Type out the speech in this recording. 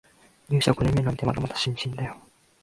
入社五年目なんてまだまだ新人だよ